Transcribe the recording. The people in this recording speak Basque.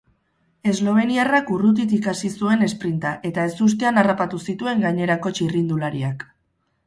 Esloveniarrak urrutitik hasi zuen esprinta eta ezustean harrapatu zituen gainerako txirrindulariak.